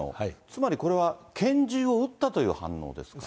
つまりこれは拳銃を撃ったという反応ですか。